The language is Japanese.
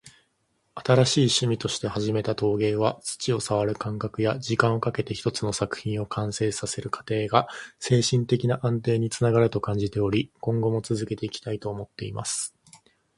「新しい趣味として始めた陶芸は、土を触る感覚や、時間をかけて一つの作品を完成させる過程が精神的な安定につながると感じており、今後も続けていきたいと思っています。」